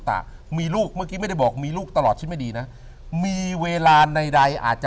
ถ้าแผลที่เรียนเรารู้